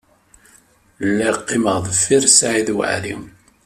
Lliɣ qqimeɣ deffir Saɛid Waɛli.